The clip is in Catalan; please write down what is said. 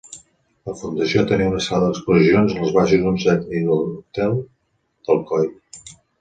La fundació tenia una sala d'exposicions en els baixos d'un cèntric hotel d'Alcoi.